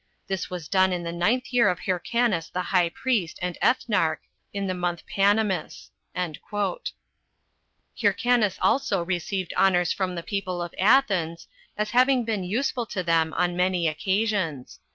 This was done in the ninth year of Hyrcanus the high priest and ethnarch, in the month Panemus." Hyrcanus also received honors from the people of Athens, as having been useful to them on many occasions.